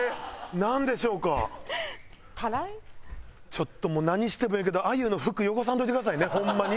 ちょっともう何してもええけどあゆの服汚さんといてくださいねホンマに。